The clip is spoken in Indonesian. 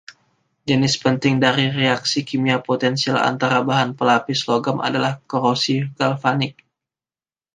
Jenis penting dari reaksi kimia potensial antara bahan pelapis logam adalah korosi galvanik.